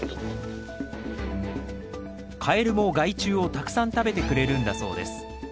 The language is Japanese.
カエルも害虫をたくさん食べてくれるんだそうです。